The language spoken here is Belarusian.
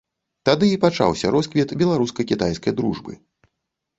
Тады і пачаўся росквіт беларуска-кітайскай дружбы.